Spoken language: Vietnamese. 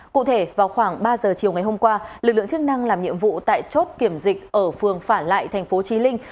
cụ thể vào khoảng ba giờ chiều ngày hôm qua lực lượng chức năng làm nhiệm vụ tại chốt kiểm dịch ở phường phản lại tp chí linh